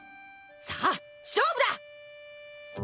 さあ勝負だ！